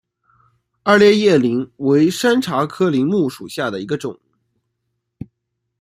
二列叶柃为山茶科柃木属下的一个种。